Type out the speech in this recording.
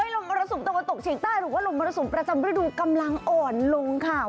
ลมมรสุมตะวันตกเฉียงใต้หรือว่าลมมรสุมประจำฤดูกำลังอ่อนลงค่ะ